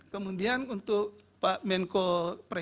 kemudian untuk pak menko perekonomian